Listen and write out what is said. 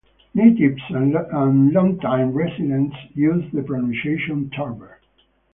Natives and longtime residents use the pronunciation "Tar-Ber".